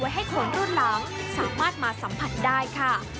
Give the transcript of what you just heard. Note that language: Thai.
ให้คนรุ่นหลังสามารถมาสัมผัสได้ค่ะ